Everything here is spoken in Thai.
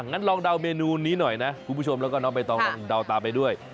งั้นลองเดาเมนูนี้หน่อยนะคุณผู้ชมแล้วก็น้องใบตองลองเดาตามไปด้วย